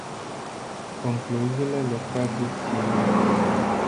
Concluziile le trageți singuri.